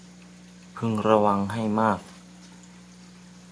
พึงระวังให้มาก